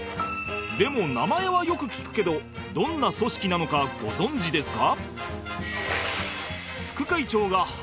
でも名前はよく聞くけどどんな組織なのかご存じですか？